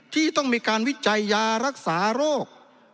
ที่ต้องมีการวิจัยยารักษาโรค